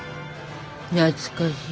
懐かしい。